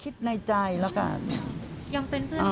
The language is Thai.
คิดในใจแล้วกัน